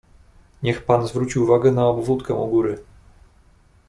"Niech pan zwróci uwagę na obwódkę u góry."